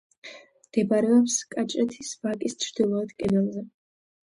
მდებარეობს კაჭრეთის ვაკის ჩრდილოეთ კიდეზე.